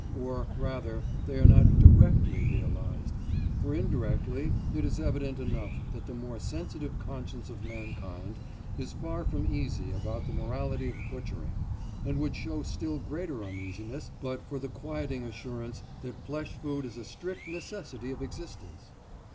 Or, rather, they are not directly realised; for indirectly it is evident enough that the more sensitive conscience of mankind is far from easy about the morality of butchering, and would show still greater uneasiness but for the quieting assurance that flesh food is a strict necessity of existence.